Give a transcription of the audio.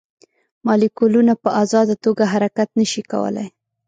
مالیکولونه په ازاده توګه حرکت نه شي کولی.